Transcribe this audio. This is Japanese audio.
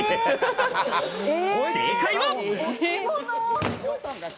正解は。